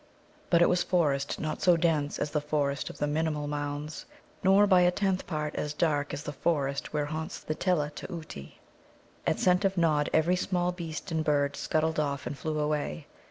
But it was forest not so dense as the forest of the Minimul mounds, nor by a tenth part as dark as the forest where haunts the Telateuti. At scent of Nod every small beast and bird scuttled off and flew away.